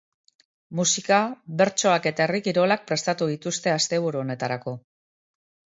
Musika, bertsoak eta herri kirolak prestatu dituzte asteburu honetarako.